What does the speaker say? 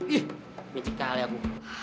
ih baik sekali aku